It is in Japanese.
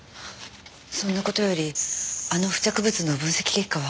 そんな事よりあの付着物の分析結果は？